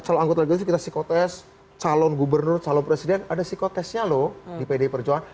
calon anggota legis kita psikotest calon gubernur calon presiden ada psikotestnya loh di pdi perjuangan